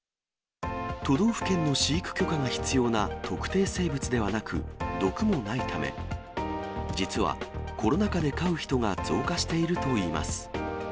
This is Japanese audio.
都道府県の飼育許可が必要な特定生物ではなく、毒もないため、実は、コロナ禍で飼う人が増加しているといいます。